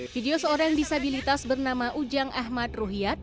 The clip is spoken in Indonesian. video seorang disabilitas bernama ujang ahmad ruhyat